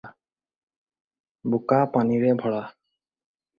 বােকা-পানীৰে ভৰা